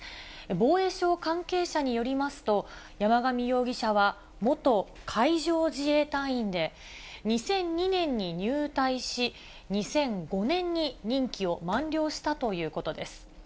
防衛省関係者によりますと、山上容疑者は元海上自衛隊員で、２００２年に入隊し、２００５年に任期を満了したということです。